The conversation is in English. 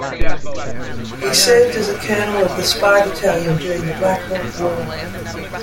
He served as a Colonel of the "Spy Battalion" during the Black Hawk War.